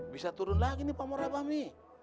bisa turun lagi nih pak morabah mi